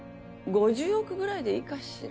５０億ぐらいでいいかしら？